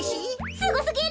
すごすぎる！